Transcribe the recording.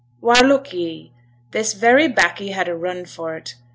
'Why, look ye; this very baccy had a run for 't.